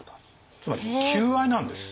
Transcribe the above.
つまり求愛なんです。